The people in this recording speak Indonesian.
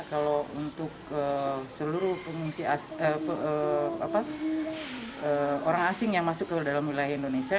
kalau untuk seluruh orang asing yang masuk ke dalam wilayah indonesia